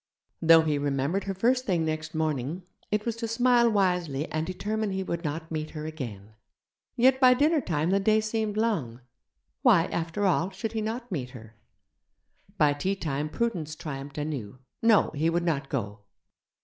Though he remembered her first thing next morning, it was to smile wisely and determine he would not meet her again. Yet by dinner time the day seemed long; why, after all, should he not meet her? By tea time prudence triumphed anew no, he would not go.